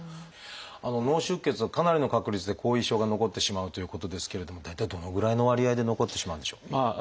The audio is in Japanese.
脳出血はかなりの確率で後遺症が残ってしまうということですけれども大体どのぐらいの割合で残ってしまうんでしょう？